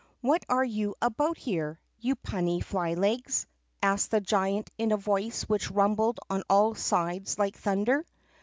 "What are you about here, you puny fly legs?" asked the giant in a voice which rumbled on all sides like thunder.